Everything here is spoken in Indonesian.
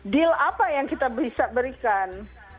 deal apa yang kita bisa berikan